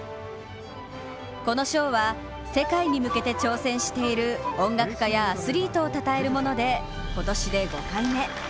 この賞は、世界に向けて挑戦している音楽家やアスリートを称えるもので、今年で５回目。